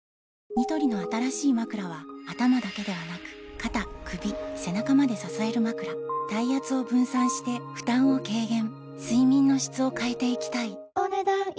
ニトリの新しいまくらは頭だけではなく肩・首・背中まで支えるまくら体圧を分散して負担を軽減睡眠の質を変えていきたいお、ねだん以上。